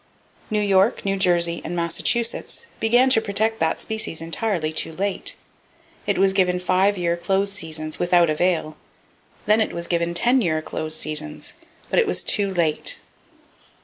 New York, New Jersey and Massachusetts began to protect that species entirely too late. It was given five year close seasons, without avail. Then it was given ten year close seasons, but it was too late!